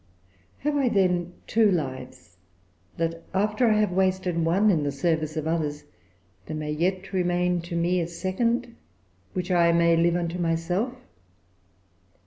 Have I, then, two lives, that, after I have wasted one in the service of others, there may yet remain to me a second, which I may live unto myself?"